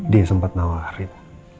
dia sempat nawarin